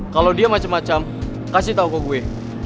kalo dia macem macem kasih tau ke gue